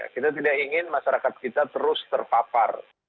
kita tidak ingin masyarakat kita terus terpapar